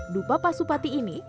dupa pasupati ini